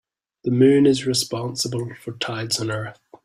The moon is responsible for tides on earth.